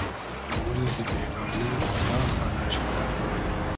مولگی بېگانۂ کوجا خانۂ شودۂ